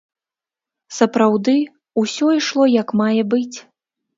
Сапраўды, усё ішло як мае быць.